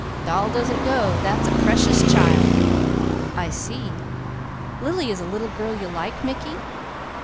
"Doll doesn't go. That's a Precious Child!" "I see! Lily is a little girl you like, Mickey?"